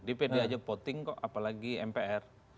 jadi aja voting kok apalagi mpr